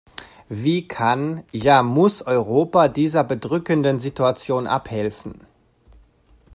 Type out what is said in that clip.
Wie kann, ja muss Europa dieser bedrückenden Situation abhelfen?